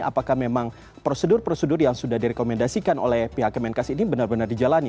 apakah memang prosedur prosedur yang sudah direkomendasikan oleh pihak kemenkes ini benar benar dijalani